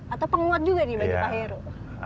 atau penguat juga nih bagi pak heru